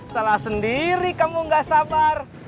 salah sendiri kamu gak sabar